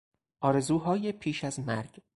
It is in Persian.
آرزوهای پیش از مرگ